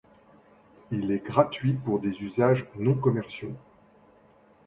Il est gratuit pour des usages non-commerciaux.